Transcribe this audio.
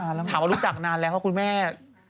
ถามว่ารู้จักนานแล้วคะคุณแม่